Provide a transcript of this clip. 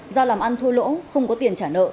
do làm ăn thua lỗ không có tiền trả nợ